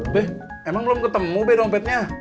beh emang belum ketemu deh dompetnya